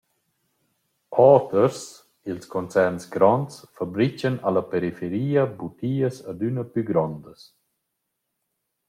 Oters, ils concerns gronds, fabrichan a la periferia butias adüna plü grondas.